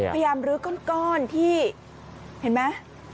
พยายามลื้อก้อนที่เห็นไหม